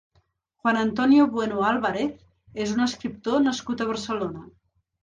Juan Antonio Bueno Álvarez és un escriptor nascut a Barcelona.